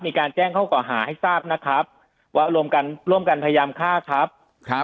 มีการแจ้งข้อก่อหาให้ทราบนะครับว่ารวมกันร่วมกันพยายามฆ่าครับครับ